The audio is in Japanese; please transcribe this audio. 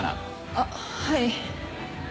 あっはい。